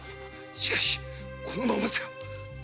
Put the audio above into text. しかしこのままでは。